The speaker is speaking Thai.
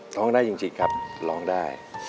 ร้องได้จริงครับร้องได้